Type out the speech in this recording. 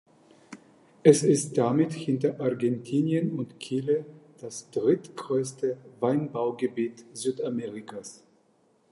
Es ist damit hinter Argentinien und Chile das drittgrößte Weinbaugebiet Südamerikas.